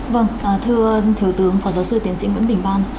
vâng thưa thủ tướng phó giáo sư tiến sĩ nguyễn bình ban